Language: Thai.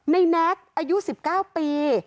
แน็กอายุ๑๙ปี